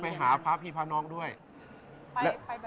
อ๋อไปหาพระพี่พระนองด้วยไปบ่อย